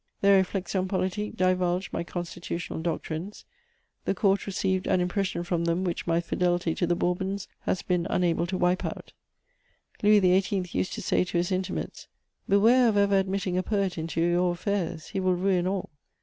The Réflexions politiques divulged my Constitutional doctrines: the Court received an impression from them which my fidelity to the Bourbons has been unable to wipe out. Louis XVIII. used to say to his intimates: "Beware of ever admitting a poet into your affairs: he will ruin all.